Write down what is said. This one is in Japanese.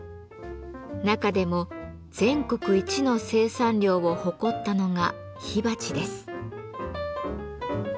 中でも全国一の生産量を誇ったのが火鉢です。